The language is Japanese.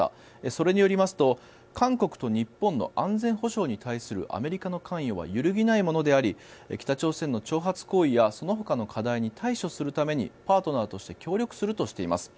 それによりますと韓国と日本の安全保障に対するアメリカの関与は揺るぎないものであり北朝鮮の挑発行動やそのほかの課題に対処するためにパートナーとして協力するとしています。